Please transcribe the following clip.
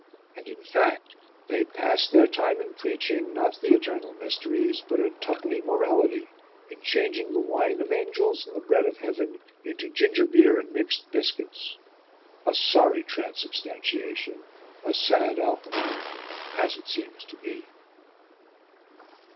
And, in fact, they pass their time in preaching, not the eternal mysteries, but a twopenny morality, in changing the Wine of Angels and the Bread of Heaven into gingerbeer and mixed biscuits: a sorry transubstantiation, a sad alchemy, as it seems to me.